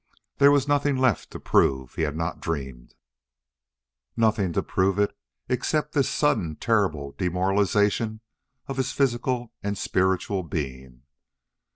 There was nothing left to prove he had not dreamed. Nothing to prove it except this sudden terrible demoralization of his physical and spiritual being!